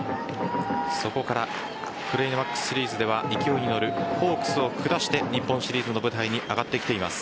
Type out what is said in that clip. そこからクライマックスシリーズでは勢いに乗るホークスを下して日本シリーズの舞台に上がってきています。